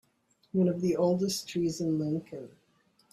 One of the oldest trees in Lincoln.